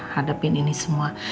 hadapin ini semua